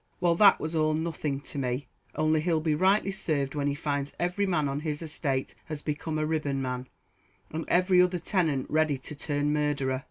Well, that was all nothing to me only he'll be rightly served when he finds every man on his estate has become a ribbonman, and every other tenant ready to turn murderer.